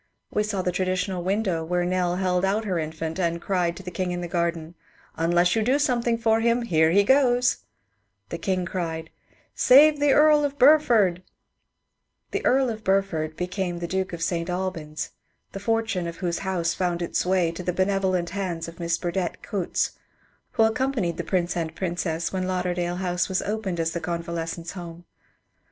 We saw the traditional window where Nell held out her infant, and cried to the King in the garden, '' Unless you do some * thing for him, here he goes I " The King cried, '' Save the Earl of Burford I " The Earl of Burford became the Duke of St. Albans, the fortune of whose house found its way to the benevolent hands of Miss Burdett Coutts, who accompanied the Prince and Princess when Lauderdale House was opened as the Convalescents' Home.